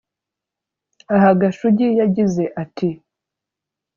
Aha Gashugi yagize ati